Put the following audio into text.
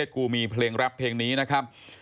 กูมีเพลงแรปเพลงนี้นะครับ